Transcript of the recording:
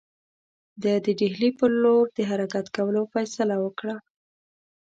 ده د ډهلي پر لور د حرکت کولو فیصله وکړه.